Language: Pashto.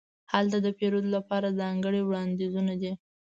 هلته د پیرود لپاره ځانګړې وړاندیزونه دي.